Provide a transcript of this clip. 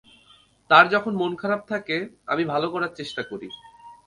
তার যখন মন খারাপ থাকে, আমি ভালো করার চেষ্টা করি।